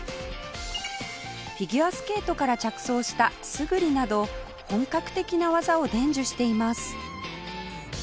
フィギュアスケートから着想した「スグリ」など本格的な技を伝授しています